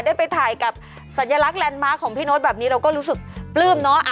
ได้ไปถ่ายกับสัญลักษณ์แลนด์มาร์คของพี่โน๊ตแบบนี้เราก็รู้สึกปลื้มเนาะ